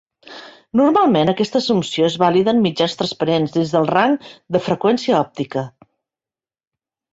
Normalment, aquesta assumpció és vàlida en mitjans transparents dins del rang de freqüència òptica.